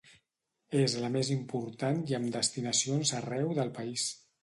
És la més important i amb destinacions arreu del país.